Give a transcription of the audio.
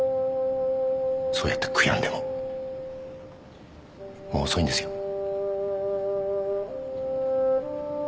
そうやって悔やんでももう遅いんですよ。